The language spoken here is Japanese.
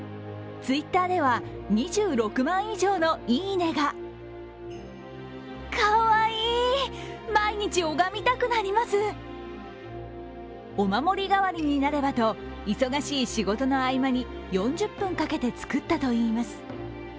Ｔｗｉｔｔｅｒでは２６万以上の「いいね」がお守り代わりになればと忙しい仕事の合間に４０分かけて作ったといいます。